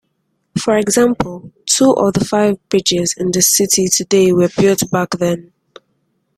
For example, two of the five bridges in the city today were built back then.